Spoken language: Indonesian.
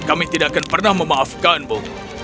kami tidak akan pernah memaafkanmu